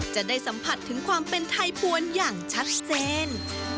จะได้สัมผัสถึงความเป็นไทยปวนอย่างชัดเจน